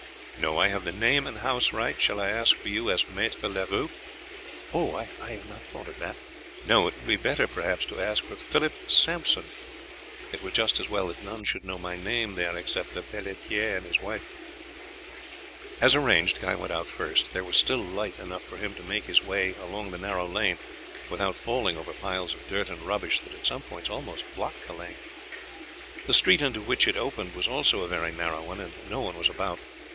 "No, I have the name and house right. Shall I ask for you as Maître Leroux?" "I have not thought of that. No, it will be better, perhaps, to ask for Philip Sampson; it were just as well that none should know my name there except Lepelletiere and his wife." As arranged Guy went out first; there was still light enough for him to make his way along the narrow lane without falling over piles of dirt and rubbish that at some points almost blocked it. The street into which it opened was also a very narrow one, and no one was about.